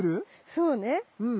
そうね。